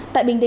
tại bình định